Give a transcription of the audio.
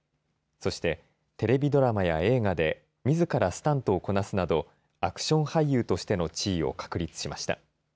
そして、テレビドラマや映画でみずからスタントをこなすなどアクション俳優としての地位を確立しました。